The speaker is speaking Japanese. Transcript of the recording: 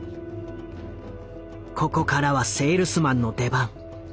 ここからはセールスマンの出番。